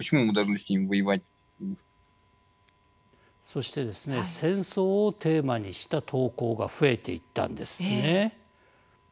そして戦争をテーマにした投稿が増えていったんですね。